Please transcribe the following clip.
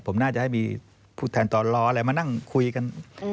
ผมน่าจะให้มีผู้แทนตอนล้ออะไรมานั่งคุยกัน